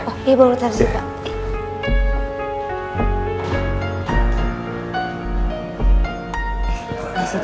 oh iya boleh taruh di situ pak